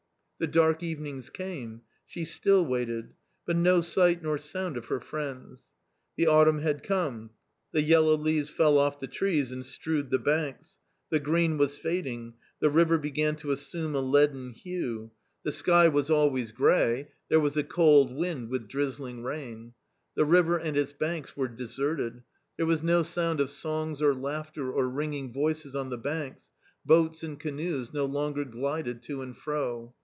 The dark evenings came ; she still waited ; but no sight nor sound of her friends. The autumn had come. The yellow leaves fell off the trees and strewed the banks ; the green was fading ; the river began to assume a leaden hue ; the sky was always A COMMON STORY 221 grey ; there was a cold wind with drizzling rain. The river and its banks were deserted ; there was no sound of songs or laughter or ringing voices on the banks; boats and canoes no longer glided to and fro.